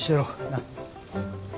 なっ？